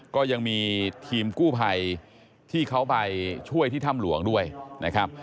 ก็ยังมีทีมกู้ภัยที่เขาไปช่วยที่ถ้ำหลวงด้วยนะครับ